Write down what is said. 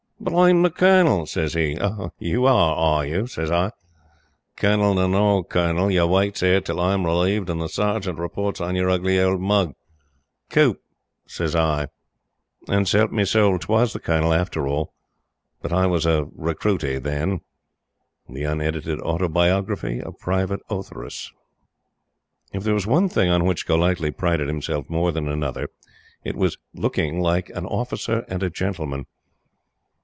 'But I'm the Colonel,' sez 'e. 'Oh! You are, are you?' sez I. 'Colonel nor no Colonel, you waits 'ere till I'm relieved, an' the Sarjint reports on your ugly old mug. Coop!' sez I. ......... An' s'help me soul, 'twas the Colonel after all! But I was a recruity then." The Unedited Autobiography of Private Ortheris. IF there was one thing on which Golightly prided himself more than another, it was looking like "an Officer and a gentleman."